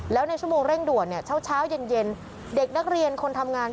แล้วในชั่วโมงเร่งด่วนเช้าเย็นเด็กนักเรียนคนทำงาน